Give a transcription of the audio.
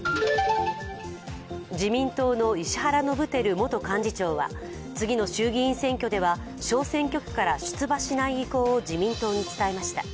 自民党の石原伸晃元幹事長は、次の衆議院選挙では小選挙区から、出馬しない意向を自民党に伝えました。